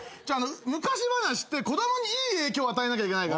昔話って子供にいい影響を与えなきゃいけないから。